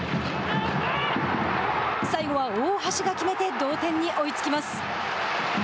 最後は大橋が決めて同点に追いつきます。